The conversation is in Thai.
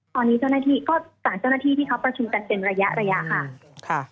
ตอนนี้เจ้าหน้าที่ก็สั่งเจ้าหน้าที่ที่เขาประชุมกันเป็นระยะค่ะ